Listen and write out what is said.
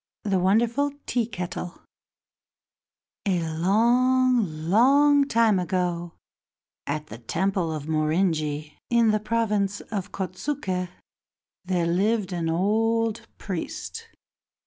The Wonderful Tea Kettle A long, long time ago, at the temple of Morinji, in the province of Kotsuke, there lived an old priest.